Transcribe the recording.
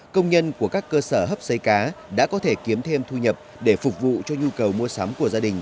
công nhân của các cơ sở hấp xấy cá đã có thể kiếm thêm thu nhập để phục vụ cho nhu cầu mua sắm của gia đình